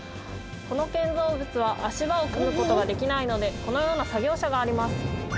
この建造物は足場を組むことができないのでこのような作業車があります